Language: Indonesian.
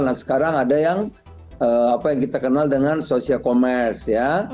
nah sekarang ada yang kita kenal dengan social commerce